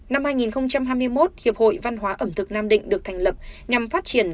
năm hai nghìn hai mươi một hiệp hội văn hóa ẩm thực nam định được thành lập nhằm phát triển